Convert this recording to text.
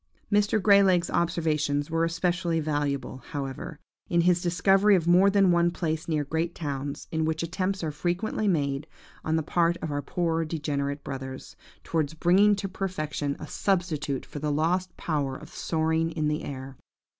"Mr. Grey leg's observations were especially valuable, however, in his discovery of more than one place near great towns, in which attempts are frequently made, on the part of our poor degenerate brothers, towards bringing to perfection a substitute for the lost power of soaring in the air.